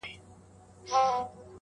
جګه لوړه ګل اندامه تکه سپینه،